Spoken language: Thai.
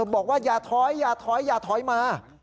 บอกว่าอย่าถอยอย่าถอยอย่าถอยมา